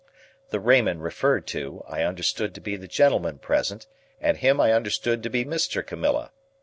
The Raymond referred to, I understood to be the gentleman present, and him I understood to be Mr. Camilla.